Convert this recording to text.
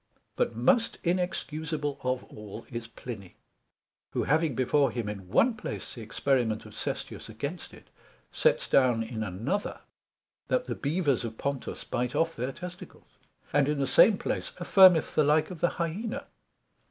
But most inexcusable of all is Pliny; who having before him in one place the experiment of Sestius against it, sets down in another, that the Bevers of Pontus bite off their testicles: and in the same place affirmeth the like of the Hyena.